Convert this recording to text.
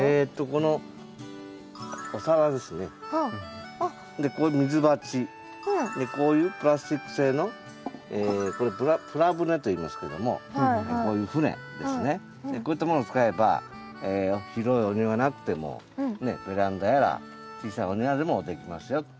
こういう水鉢こういうプラスチック製のこれプラ舟といいますけどもこういう舟ですねこういったものを使えば広いお庭なくてもベランダやら小さいお庭でもできますよっていうことですね。